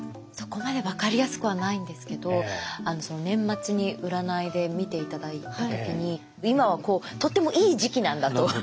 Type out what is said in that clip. そこまで分かりやすくはないんですけど年末に占いで見て頂いた時に今はこうとってもいい時期なんだと。